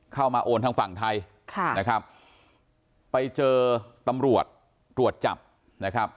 โอนทางฝั่งไทยค่ะนะครับไปเจอตำรวจตรวจจับนะครับ